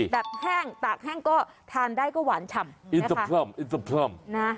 แบบแห้งตากแห้งก็ทานได้ก็หวานฉ่ำ